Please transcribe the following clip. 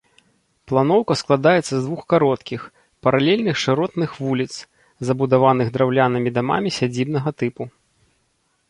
Планоўка складаецца з двух кароткіх, паралельных шыротных вуліц, забудаваных драўлянымі дамамі сядзібнага тыпу.